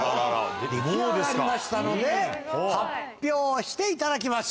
出来上がりましたので発表していただきます。